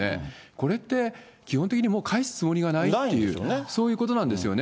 これってもう基本的にもう返すつもりがないっていう、そういうことなんですよね。